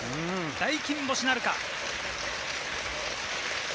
大金星なるか。